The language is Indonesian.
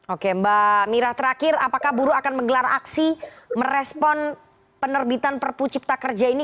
oke mbak mira terakhir apakah buruh akan menggelar aksi merespon penerbitan perpu cipta kerja ini